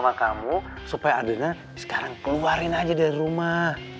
mendingan mama kamu supaya adriana sekarang keluarin aja dari rumah